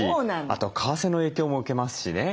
あと為替の影響も受けますしね。